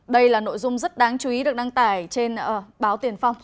đây là nội dung rất đáng chú ý được đăng tải trên báo tiền phong